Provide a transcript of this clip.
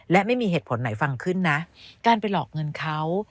และไม่มีเหตุผลไหนฟังขึ้นนะการไปหลอกเงินเขา